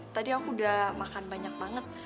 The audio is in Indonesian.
tadi aku udah makan banyak banget